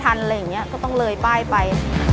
อะไรอย่างนี้ก็ต้องเลยป้ายไป